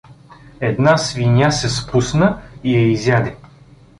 Една свиня се спусна и я изяде!